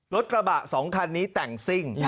รถกระบะ๒คันนี้แต่งซิ่ง